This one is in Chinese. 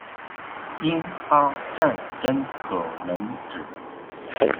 英阿战争可能指